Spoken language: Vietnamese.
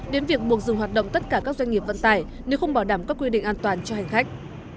đến việc buộc dừng hoạt động tất cả các doanh nghiệp vận tải nếu không bảo đảm các quy định an toàn cho hành khách